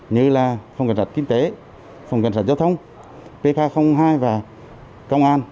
như là phòng cảnh sát kinh tế phòng cảnh sát giao thông pk hai và công an